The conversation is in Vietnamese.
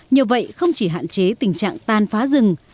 nhờ vậy không chỉ hạn chế tình trạng tan phá rừng